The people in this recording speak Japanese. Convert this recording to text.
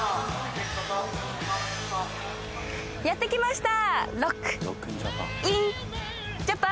やってきました！